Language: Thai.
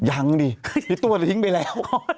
ยังดิพี่ตัวน่ะทิ้งไปแล้ว